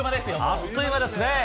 あっという間ですね。